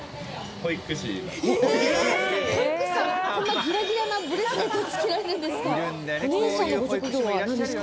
保育士さん、こんなギラギラなブレスレットをつけるんですか？